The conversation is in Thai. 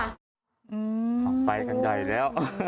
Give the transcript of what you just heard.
อืมครับไปกันใหญ่แล้ว